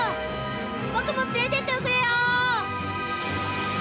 僕も連れてっておくれよ！